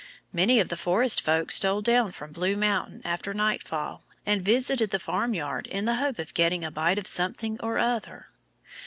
Many of the forest folk stole down from Blue Mountain after nightfall and visited the farmyard in the hope of getting a bite of something or other.